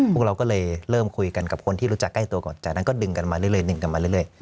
พวกเราเรียกกับคนที่รู้กันใกล้กับเราให้ดึงกันมาเรื่อย